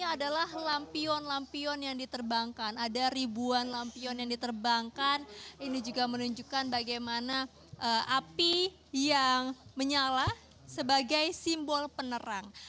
ada ribuan lampion yang diterbangkan ini juga menunjukkan bagaimana api yang menyala sebagai simbol penerang